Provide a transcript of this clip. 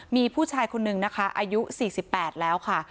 มีผู้ชายคนนึงนะคะอายุ๔๘แล้วค่ะ